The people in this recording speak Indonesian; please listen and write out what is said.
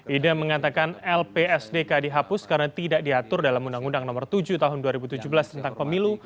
ida mengatakan lpsdk dihapus karena tidak diatur dalam undang undang nomor tujuh tahun dua ribu tujuh belas tentang pemilu